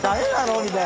みたいな。